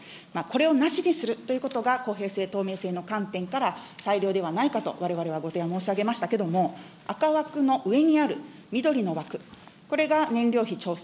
これをなしにするということが、公平性、透明性の観点から、裁量ではないかと、われわれはご提案を申し上げましたけれども、赤枠の上にある緑の枠、これが燃料費調整。